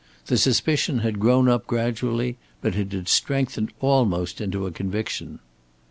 The suspicion had grown up gradually, but it had strengthened almost into a conviction.